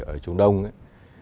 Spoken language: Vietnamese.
ở trung đông ấy